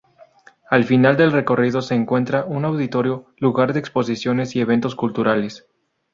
Al final del recorrido se encuentra un Auditorio, lugar de exposiciones y eventos culturales.